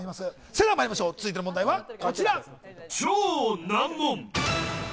それではまいりましょう続いての問題はこちら。